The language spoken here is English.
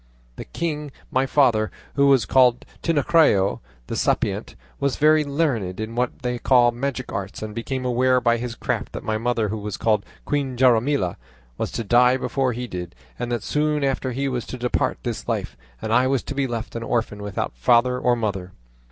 The king my father, who was called Tinacrio the Sapient, was very learned in what they call magic arts, and became aware by his craft that my mother, who was called Queen Jaramilla, was to die before he did, and that soon after he too was to depart this life, and I was to be left an orphan without father or mother.